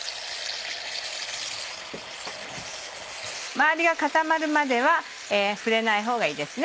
周りが固まるまでは触れないほうがいいですね。